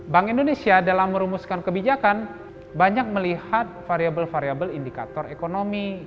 bank indonesia dalam merumuskan kebijakan banyak melihat variable variable indikator ekonomi